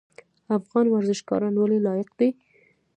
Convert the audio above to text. افغان ورزشکاران ولې لایق دي؟